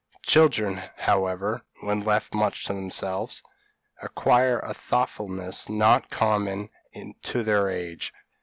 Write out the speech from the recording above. Children, however, when left much to themselves, acquire a thoughtfulness not common to their age.